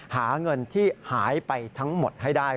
หาเงินที่หายไปทั้งหมดให้ได้